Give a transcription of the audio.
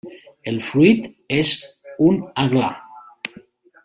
El fruit és un aglà.